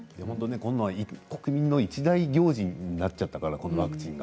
国民の一大行事になっちゃったからこのワクチンが。